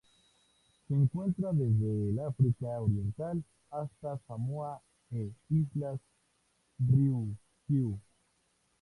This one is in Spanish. Se encuentra desde el África Oriental hasta Samoa e Islas Ryukyu.